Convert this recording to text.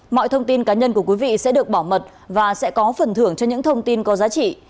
mọi thông tin cá nhân của quý vị sẽ được bảo mật và sẽ có phần thưởng cho những thông tin có giá trị